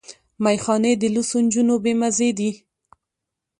ميخانې د لوڅو جونو بې مزې دي